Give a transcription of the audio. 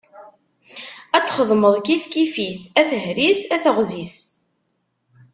Ad t-txedmeḍ kif kif-it, a tehri-s, a teɣzi-s.